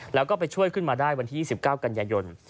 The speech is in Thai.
แล้วก็ไปช่วยขึ้นมาได้วันที่๒๙กันยายน